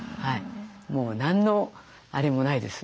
もう何のあれもないです。